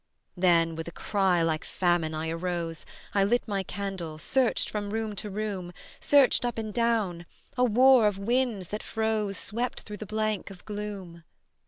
Then with a cry like famine I arose, I lit my candle, searched from room to room, Searched up and down; a war of winds that froze Swept through the blank of gloom.